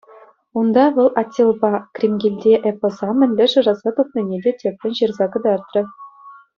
Унта вӑл «Аттилпа Кримкилте» эпоса мӗнле шыраса тупнине те тӗплӗн ҫырса кӑтартрӗ.